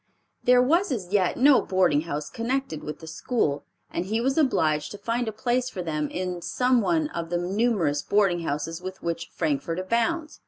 There was as yet no boarding house connected with the school, and he was obliged to find a place for them in some one of the numerous boarding houses with which Frankfort abounds.